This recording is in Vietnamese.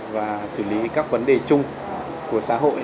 và xử lý các vấn đề chung của xã hội